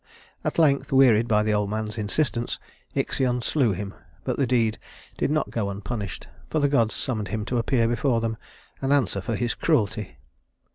At length, wearied by the old man's insistence, Ixion slew him; but the deed did not go unpunished, for the gods summoned him to appear before them and answer for his cruelty.